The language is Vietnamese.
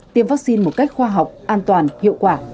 tiêm vaccine một cách khoa học an toàn hiệu quả